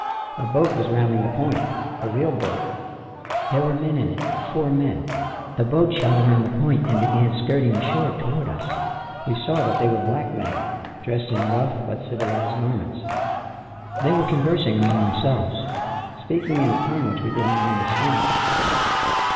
A boat was rounding the point; a real boat. There were men in it, four men. The boat shot around the point and began skirting the shore toward us. We saw that they were black men, dressed in rough but civilized garments. They were conversing among themselves, speaking in a tongue which we did not understand.